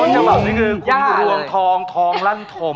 ต้นจังหวะว่าคือครูหวังทองทองลั่นธม